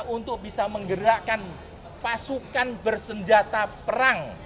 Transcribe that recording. untuk bisa menggerakkan pasukan bersenjata perang